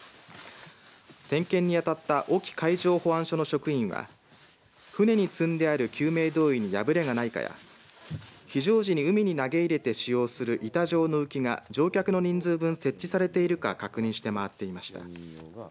点検に当たった隠岐海上保安署の職員は船に積んである救命胴衣に破れがないかや非常時に海へ投げ入れて使用する板状の浮きが乗客の人数分設置されているか確認して回っていました。